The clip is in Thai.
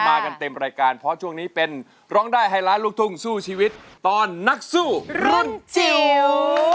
กันเต็มรายการเพราะช่วงนี้เป็นร้องได้ให้ล้านลูกทุ่งสู้ชีวิตตอนนักสู้รุ่นจิ๋ว